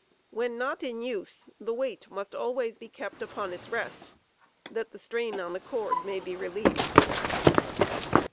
When not in use, the weight mast always be kept upon its rest, that the strain wetgbt on the cord may be relieved, 49.